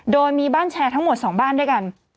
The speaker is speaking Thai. โดยมีบ้านแชร์ทั้งหมด๒บ้านด้วยกัน